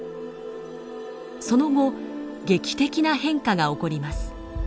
その後劇的な変化が起こります。